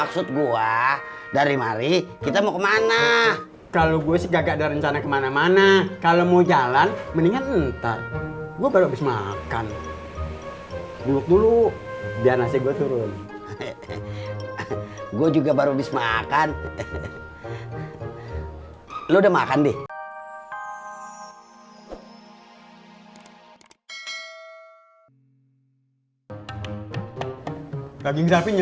sampai jumpa di video selanjutnya